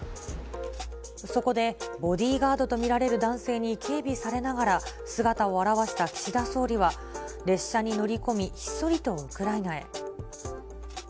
そこでボディーガードと見られる男性に警備されながら、姿を現した岸田総理は、列車に乗り込み、ひっそりとウクライナへ。